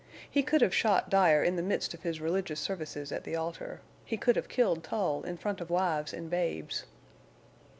He could have shot Dyer in the midst of his religious services at the altar; he could have killed Tull in front of wives and babes.